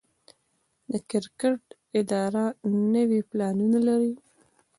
د کرکټ اداره نوي پلانونه لري.